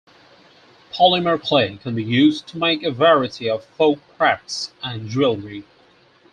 Polymer clay can be used to make a variety of folk-crafts and jewelry.